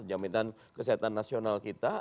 jaminan kesehatan nasional kita